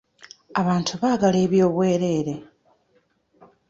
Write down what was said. Abantu baagala ebyobwerere.